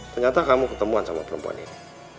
ternyata kamu ketemuan sama perempuan ini